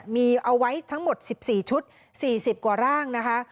มีเอาไว้ทั้งหมด๑๔ชุด๔๐กว่าร่างนะคะ